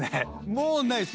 もうないっす。